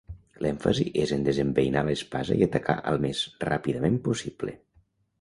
L'èmfasi és en desembeinar l'espasa i atacar al més ràpidament possible.